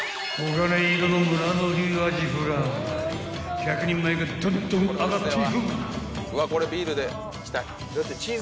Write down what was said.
［１００人前がどんどん揚がっていく］